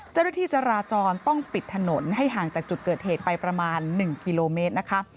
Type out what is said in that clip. เจ้าหน้าที่จราจรต้องปิดถนนให้ห่างจากจุดเกิดเหตุไปประมาณ๑กิโลเมตรนะคะ